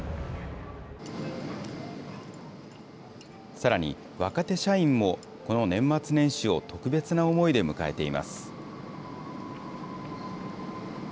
さらに、若手社員も、この年末年始を特別な思いで迎えています。